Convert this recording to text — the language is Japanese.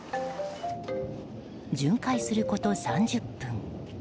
巡回すること、３０分。